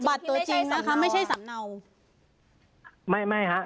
ที่ไม่ใช่สำเนาบัตรตัวจริงนะคะไม่ใช่สำเนาไม่ไม่ฮะ